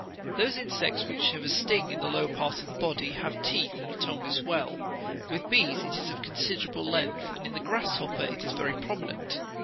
Those insects which have a sting in the lower part of the body, have teeth, and a tongue as well ; with bees it is of considerable length, and in the grasshopper it is very prominent.